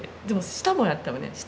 でも下もやったよね。